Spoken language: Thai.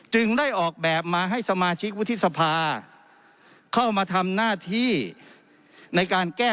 จึงได้ออกแบบมาให้สมาชิกวุฒิษภาเข้ามาทำหน้าที่